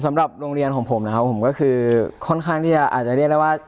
สำหรับโรงเรียนของผมนะครับผมก็คือค่อนข้างที่จะอาจจะเรียกได้ว่า